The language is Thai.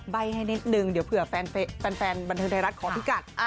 ใบ้ให้นิดนึงเดี๋ยวเผื่อแฟนบันเทิงไทยรัฐขอพิกัด